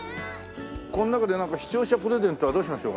この中で視聴者プレゼントはどうしましょうかね。